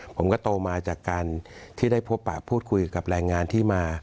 ผมก็โตมาจากการที่ได้พบปะพูดคุยกับแรงงานที่มา